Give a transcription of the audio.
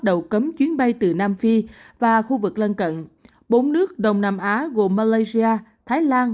đầu cấm chuyến bay từ nam phi và khu vực lân cận bốn nước đông nam á gồm malaysia thái lan